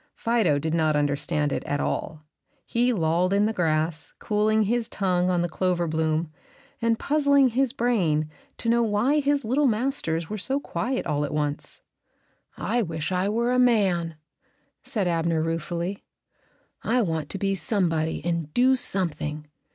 Fido did not understand it at all. He lolled in the grass, cooling his tongue on the clover bloom, and puzzling his brain to know why his little masters were so quiet all at once. "I wish I were a man," said Abner, ruefully. "I want to be somebody and do something.